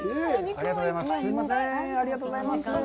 ありがとうございます。